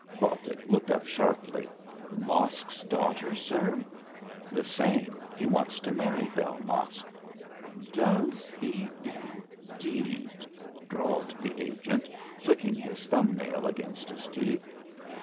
Baltic looked up sharply. 'Mosk's daughter, sir?' 'The same. He wants to marry Bell Mosk.' 'Does he indeed?' drawled the agent, flicking his thumb nail against his teeth.